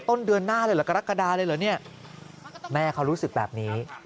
ต้นเดือนหน้าเลยเหรอกรกฎาเลยเหรอเนี่ยแม่เขารู้สึกแบบนี้